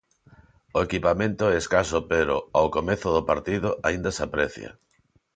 O equipamento é escaso pero, ao comezo do partido, aínda se aprecia.